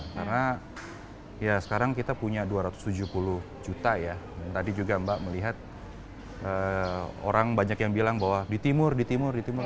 karena ya sekarang kita punya dua ratus tujuh puluh juta ya tadi juga mbak melihat orang banyak yang bilang bahwa ditimur ditimur ditimur